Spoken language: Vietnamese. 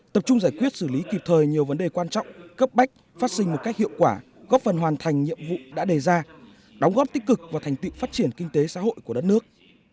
tập trung giải quyết xử lý kịp thời nhiều vấn đề quan trọng cấp bách phát sinh một cách hiệu quả góp phần hoàn thành nhiệm vụ đã đề ra đóng góp tích cực vào thành tựu phát triển kinh tế xã hội của đất nước